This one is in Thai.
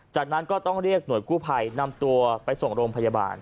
จากนั้นก็ต้องเรียกหน่วยกู้ภัยนำตัวไปส่งโรงพยาบาล